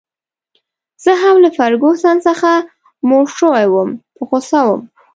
زه هم له فرګوسن څخه موړ شوی وم، په غوسه وم.